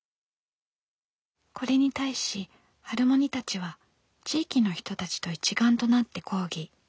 これに対しハルモニたちは地域の人たちと一丸となって抗議。